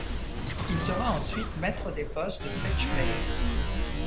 Il sera ensuite maître des postes de Fitch Bay.